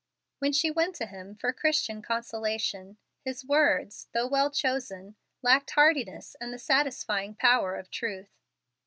When she went to him for Christian consolation, his words, though well chosen, lacked heartiness and the satisfying power of truth.